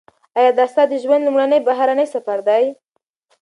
ایا دا ستا د ژوند لومړنی بهرنی سفر دی؟